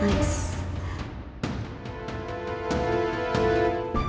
kalau gitu kita sepakat